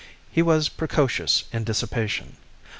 He was precocious in dissipation.